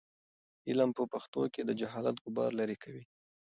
علم په پښتو کې د جهالت غبار لیرې کوي.